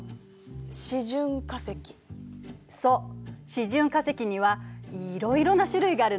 示準化石にはいろいろな種類があるのよ。